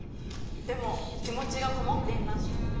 でも気持ちがこもっています。